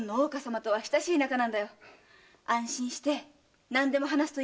安心して何でも話すといいよ。